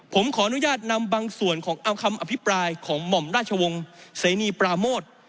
ผมขออนุญาตนำบางส่วนของเอาคำอภิปรายของหม่อมราชวงศ์เสนีปราโมท